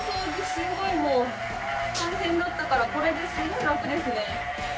すごいもう大変だったからこれですごい楽ですね。